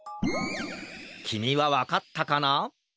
きみはわかったかな？